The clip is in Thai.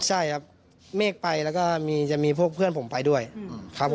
ใช่ครับเมฆไปแล้วก็จะมีพวกเพื่อนผมไปด้วยครับผม